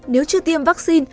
nếu chưa tiêm vaccine